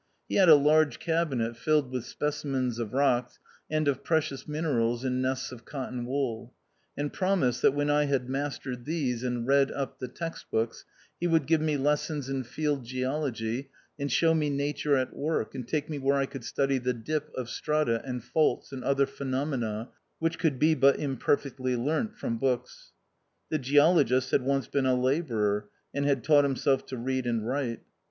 He had a large cabinet filled with specimens of rocks, and of precious minerals in nests of cotton wool ; and promised, that when I had mastered these, and read up the text books, he would give me lessons in field geology, and show me nature at work, and take me where I could study the " dip " of strata, and "faults," and other phenomena, which could be but imperfectly learnt from books. Tlie Geologist had once been a labourer, and had taught himself to read and write.